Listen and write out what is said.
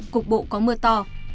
cục bộ có mưa to